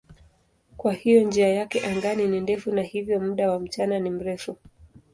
Kwa hiyo njia yake angani ni ndefu na hivyo muda wa mchana ni mrefu.